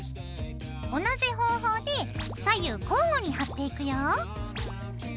同じ方法で左右交互に貼っていくよ。